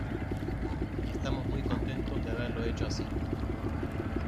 Y estamos muy contentos de haberlo hecho así"".